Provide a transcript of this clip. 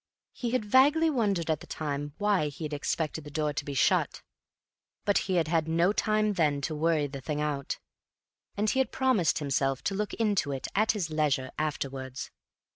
He had vaguely wondered at the time why he had expected the door to be shut, but he had had no time then to worry the thing out, and he had promised himself to look into it at his leisure afterwards.